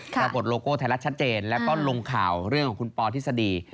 ประกดโลโก้ไทยรัฐชัดเจนและลงข่าวเรื่องของคุณปธิสดี